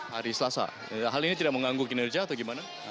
hari selasa hal ini tidak mengganggu kinerja atau gimana